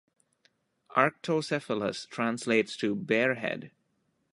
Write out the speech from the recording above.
"Arctocephalus" translates to "bear head.